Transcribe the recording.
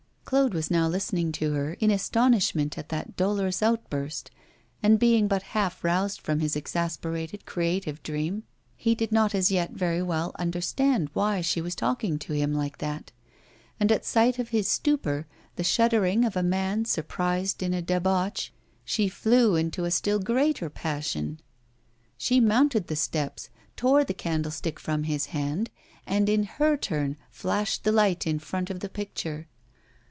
Claude was now listening to her, in his astonishment at that dolorous outburst; and being but half roused from his exasperated creative dream, he did not as yet very well understand why she was talking to him like that. And at sight of his stupor, the shuddering of a man surprised in a debauch, she flew into a still greater passion; she mounted the steps, tore the candlestick from his hand, and in her turn flashed the light in front of the picture.